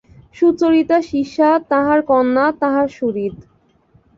সুচরিতা শিষ্যা, তাঁহার কন্যা, তাঁহার সুহৃদ।